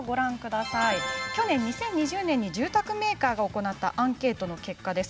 去年２０２０年に住宅メーカーが行ったアンケート結果です。